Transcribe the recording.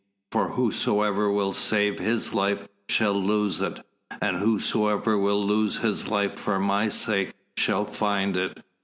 For whosoever will save his life shall lose it, and whosoever will lose his life for my sake shall find it."